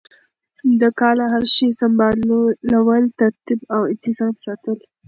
د کاله هر شی سمبالول ترتیب او انتظام ساتل